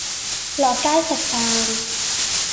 落街食飯